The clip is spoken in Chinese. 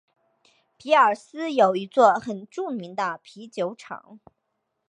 皮尔斯有一座很著名的啤酒厂。